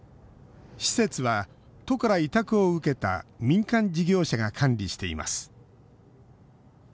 施設は都から委託を受けた民間事業者が管理しています。